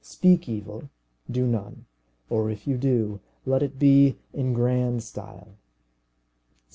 Speak evil, do none; or if you do, let it be in grand style.